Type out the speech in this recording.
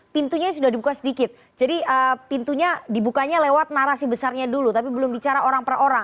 pintunya sudah dibuka sedikit jadi pintunya dibukanya lewat narasi besarnya dulu tapi belum bicara orang per orang